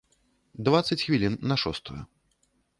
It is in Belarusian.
Дваццаць хвілін на шостую.